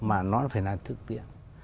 mà nó phải là thực tiện